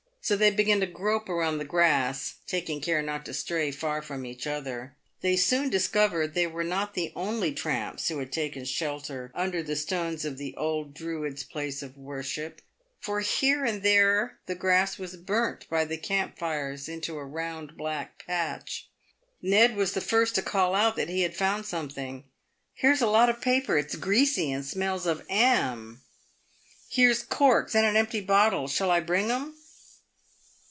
So they began to grope about the grass — taking care not to stray far from each other. They soon discovered they were not the only tramps who had taken shelter under the stones of the old Druids' 288 PAVED WITH GOLD. place of worship, for here and there the grass was burnt by the camp fires into a round black patch. Ned was the first to call out that he had found something. " Here's a lot of paper ! It's greasy, and smells of 'am. , And here's corks, and an empty bottle ! Shall I bring 'em